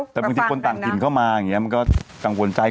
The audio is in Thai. แต่บางทีคนต่างถิ่นเข้ามามันก็กังวลใจ